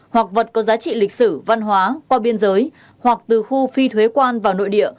hoặc vật có giá trị lịch sử văn hóa qua biên giới hoặc từ khu phi thuế quan vào nội địa